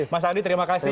mas andi terima kasih